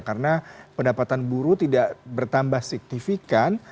karena pendapatan buruh tidak bertambah signifikan